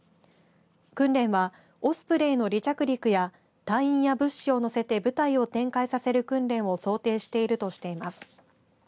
訓練はオスプレイの離着陸や隊員や物資を乗せて部隊を展開させる訓練を想定しているとしています。